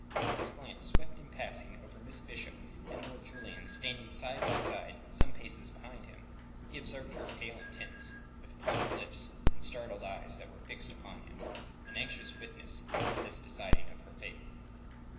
His glance swept in passing over Miss Bishop and Lord Julian standing side by side some paces behind him. He observed her pale and tense, with parted lips and startled eyes that were fixed upon him, an anxious witness of this deciding of her fate.